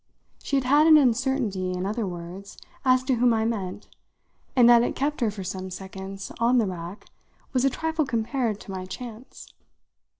She had had an uncertainty, in other words, as to whom I meant, and that it kept her for some seconds on the rack was a trifle compared to my chance.